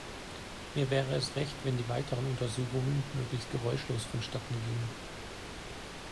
Mir wäre es recht, wenn die weiteren Untersuchungen möglichst geräuschlos vonstatten gingen.